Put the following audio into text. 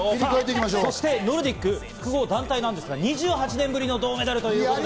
そしてノルディック複合団体なんですが、２８年ぶりの銅メダル！